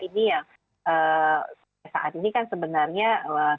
ini yang saat ini kan sebenarnya tidak bisa kita lakukan